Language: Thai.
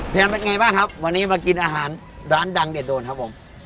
เป็นไงบ้างครับวันนี้มากินอาหารร้านดังเด็ดโดนครับผม